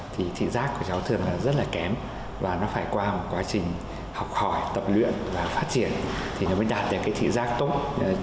thì thị giác của cháu thường là rất là kém và nó phải qua một quá trình học hỏi tập luyện và phát triển thì nó mới đạt được cái thị giác tốt